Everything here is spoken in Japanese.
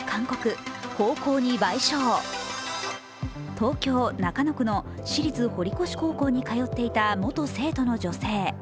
東京・中野区の私立堀越高校に通っていた元生徒の女性。